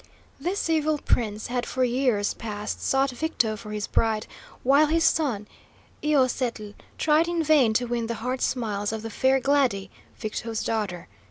This evil prince had for years past sought Victo for his bride, while his son, Iocetl, tried in vain to win the heart smiles of the fair Glady, Victo's daughter.